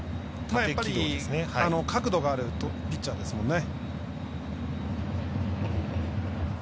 やっぱり角度があるピッチャーですからね。